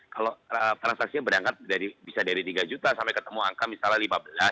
kalau transaksinya berangkat bisa dari tiga juta sampai ketemu angka misalnya lima belas